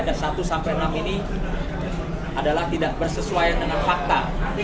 ada satu sampai enam ini adalah tidak bersesuaian dengan fakta